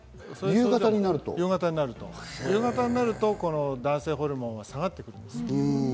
夕方になると男性ホルモンが下がってくるんです。